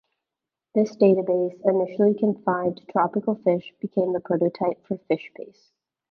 This database, initially confined to tropical fish, became the prototype for FishBase.